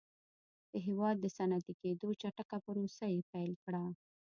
د هېواد د صنعتي کېدو چټکه پروسه یې پیل کړه